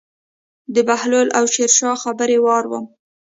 د بهلول او شیرشاه خبرې اورم.